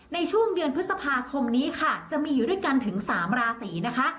ในช่วงเดือนพฤษภาคมนี้ค่ะจะมีอยู่ด้วยกันถึง๓ราศีนะคะ